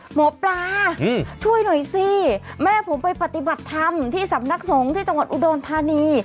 หมอปลาช่วยหน่อยสิแม่ผมไปปฏิบัติธรรมที่สำนักสงฆ์ที่จังหวัดอุดรธานี